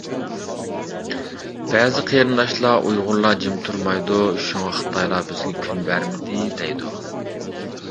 بەزى قېرىنداشلار«ئۇيغۇرلار جىم تۇرمايدۇ، شۇڭا خىتايلار بىزگە كۈن بەرمىدى» دەيدۇ.